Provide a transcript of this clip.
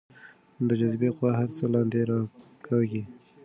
د جاذبې قوه هر څه لاندې راکاږي.